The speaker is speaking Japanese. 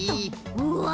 うわ！